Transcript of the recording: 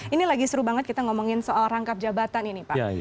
ini lagi seru banget kita ngomongin soal rangkap jabatan ini pak